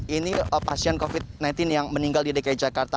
ini pasien covid sembilan belas yang meninggal di dki jakarta